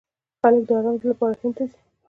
خلک د ارام لپاره هند ته ځي.